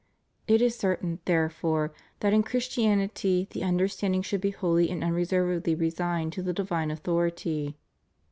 It is certain, therefore, that in Christianity the under standing should be wholly and unreservedly resigned to the divine authority.